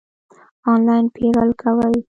آنلاین پیرل کوئ؟